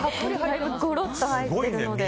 ゴロッと入ってるので。